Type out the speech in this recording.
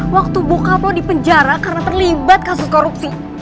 waktu bokap lo dipenjara karena terlibat kasus korupsi